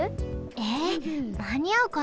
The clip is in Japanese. えまにあうかな。